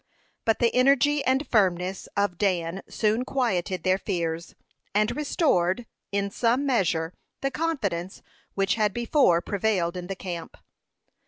But the energy and firmness of Dan soon quieted their fears, and restored, in some measure, the confidence which had before prevailed in the camp.